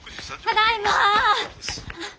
ただいま！